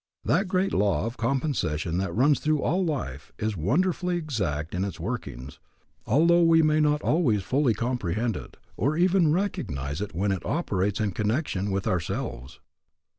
That great law of compensation that runs through all life is wonderfully exact in its workings, although we may not always fully comprehend it, or even recognize it when it operates in connection with ourselves.